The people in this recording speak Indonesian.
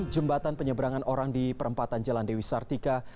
jembatan penyeberangan orang di perempatan jalan dewi sartika